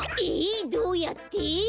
えっどうやって？